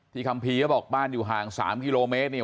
คัมภีร์เขาบอกบ้านอยู่ห่าง๓กิโลเมตรเนี่ย